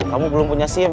kamu belum punya sim